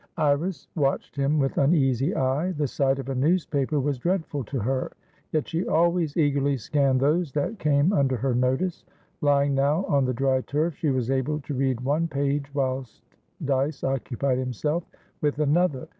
Iris watched him with uneasy eye. The sight of a newspaper was dreadful to her: yet she always eagerly scanned those that came under her notice. Lying now on the dry turf, she was able to read one page whilst Dyce occupied himself with another.